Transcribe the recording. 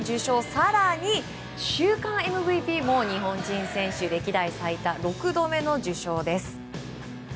更に週間ＭＶＰも日本人選手歴代最多６度目の受賞です。